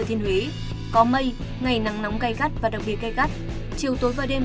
đêm có mưa rào và sông phái nơi